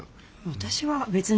私は別に。